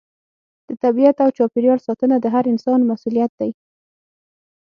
د طبیعت او چاپیریال ساتنه د هر انسان مسؤلیت دی.